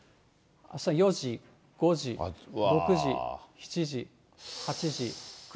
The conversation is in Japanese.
あしたの４時、５時、６時、７時、８時、９時。